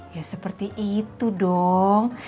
ya seperti itu dong